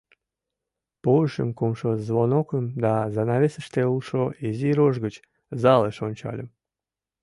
Пуышым кумшо звонокым да занавесыште улшо изи рож гыч залыш ончальым.